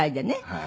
はい。